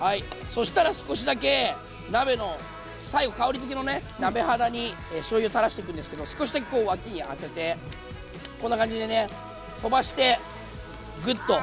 そしたら少しだけ鍋の最後香りづけのね鍋肌にしょうゆ垂らしていくんですけど少しだけこう脇に当ててこんな感じでね飛ばしてグッと。